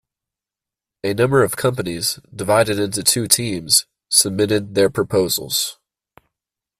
A number of companies, divided into two teams, submitted their proposals.